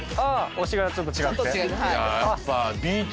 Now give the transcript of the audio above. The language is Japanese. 推しがちょっと違って。